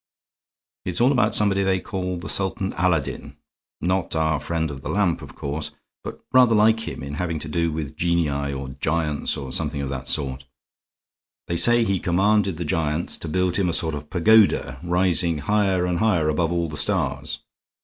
It's all about somebody they call the Sultan Aladdin, not our friend of the lamp, of course, but rather like him in having to do with genii or giants or something of that sort. They say he commanded the giants to build him a sort of pagoda, rising higher and higher above all the stars.